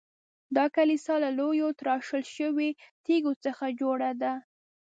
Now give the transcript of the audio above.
دا کلیسا له لویو تراشل شویو تیږو څخه جوړه ده.